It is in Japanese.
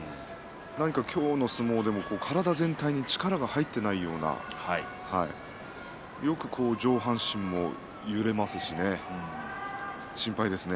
今日の相撲でも体全体に力が入っていないような上半身もよく揺れますしね心配ですね。